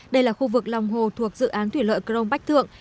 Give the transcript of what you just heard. đây là khu vực lòng hồ thuộc dự án thủy lợi crong bách thượng